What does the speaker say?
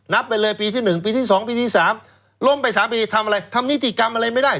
ไปเลยปีที่๑ปีที่๒ปีที่๓ล้มไป๓ปีทำอะไรทำนิติกรรมอะไรไม่ได้